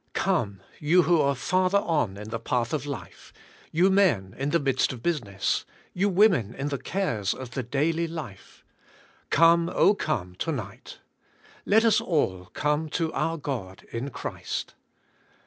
Come, you who are farther on in the path of life, you men in the midst of business, you women in the cares of the daily life. Come, oh come, to night. Let us all come to our God in Christ.